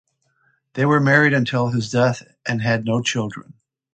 They were married until his death and had no children.